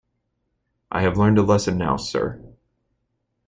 I have learned a lesson now, sir.